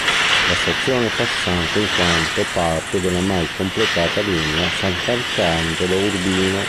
La stazione è passante in quanto parte della mai completata linea Santarcangelo-Urbino.